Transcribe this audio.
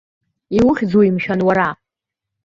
Иухьӡуи, мшәан, уара!